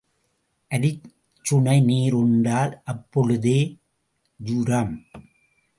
அருஞ்சுனை நீர் உண்டால் அப்பொழுதே ஜூரம்.